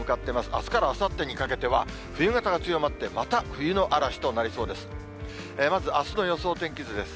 あすからあさってにかけては、冬型が強まって、また冬の嵐となりそうです。